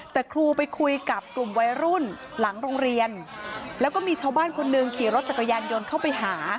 แต่ครูไปคุยกับกลุ่มวัยรุ่นหลังโรงเรียนแล้วก็มีชาวบ้านคนหนึ่งขี่รถจักรยานยนต์เข้าไปหา